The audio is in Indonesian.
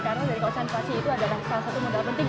karena dari konsentrasi itu ada salah satu modal penting